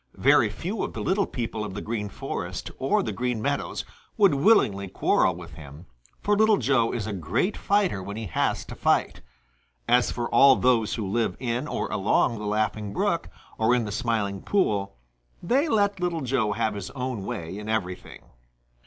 Very few of the little people of the Green Forest or the Green Meadows would willingly quarrel with him, for Little Joe is a great fighter when he has to fight. As for all those who live in or along the Laughing Brook or in the Smiling Pool, they let Little Joe have his own way in everything.